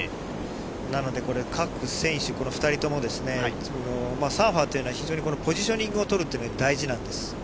なので各選手２人とも、サーファーというのはポジショニングを取るというのが大事なんですよ。